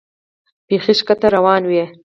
بیخي ښکته روان وې.